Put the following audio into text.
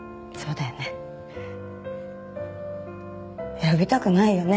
選びたくないよね